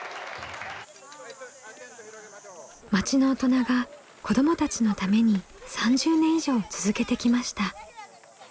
町の大人が子どもたちのために３０年以上続けてきました。